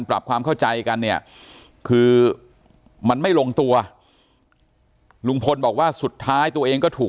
ปรับความเข้าใจกันเนี่ยคือมันไม่ลงตัวลุงพลบอกว่าสุดท้ายตัวเองก็ถูก